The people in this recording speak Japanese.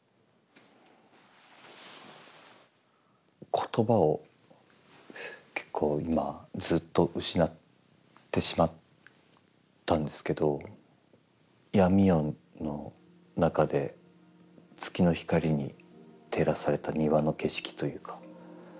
言葉を結構今ずっと失ってしまったんですけど闇夜の中で月の光に照らされた庭の景色というか。